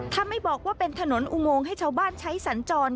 ถ้าไม่บอกว่าเป็นถนนอุโมงให้ชาวบ้านใช้สัญจร